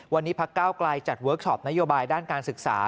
วันนี้พักเก้าไกลจัดเวิร์คชอปนโยบายด้านการศึกษา